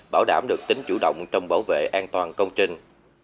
bảo đảm được tính chủ động trong bảo vệ an toàn công trình